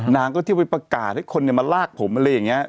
นางก็เที่ยวไปประกาศให้คนมาลากผมอะไรอย่างนี้